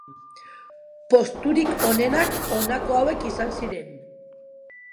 Posturik onenak honako hauek izan ziren.